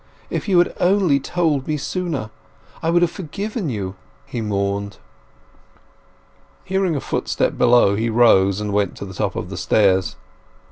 If you had only told me sooner, I would have forgiven you!" he mourned. Hearing a footstep below, he rose and went to the top of the stairs.